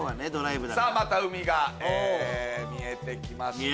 さぁまた海が見えてきました。